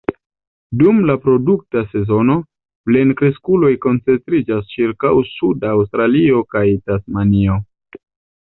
Dum la reprodukta sezono, plenkreskuloj koncentriĝas ĉirkaŭ suda Aŭstralio kaj Tasmanio.